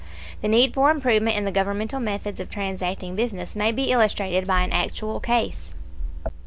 The need for improvement in the Governmental methods of transacting business may be illustrated by an actual case.